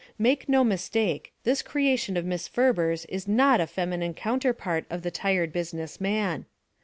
Make no mistake; this creation of Miss Ferber's is not a feminine counterpart of the Tired Business Man.